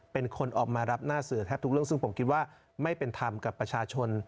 เป็นคนออกมารับหน้าสื่อแทบทุกเรื่องซึ่งผมคิดว่าไม่เป็นธรรมกับประชาชน